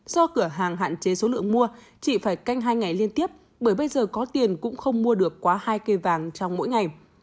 do cửa hàng hạn chế số lượng mua chị phải canh hai ngày liên tiếp bởi bây giờ có tiền cũng không mua được quá hai cây vàng trong mỗi ngày